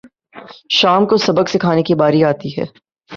شام کو سبق سکھانے کی باری آتی ہے